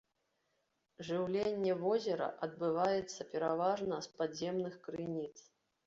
Жыўленне возера адбываецца пераважна з падземных крыніц.